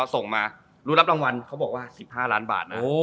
ส่งมารู้รับรางวัลเขาบอกว่า๑๕ล้านบาทนะ